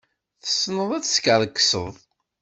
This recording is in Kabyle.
Tessneḍ ad teskerkseḍ.